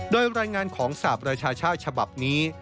โดยรายงานของสาปรชชาชบับนี้